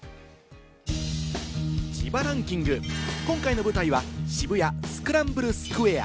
自腹ンキング、今回の舞台は渋谷スクランブルスクエア。